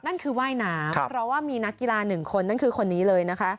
นั่นคือว่ายน้ำเพราะว่ามีนักกีฬาหนึ่งคนนั่นคือคนนี้เลยนะคะ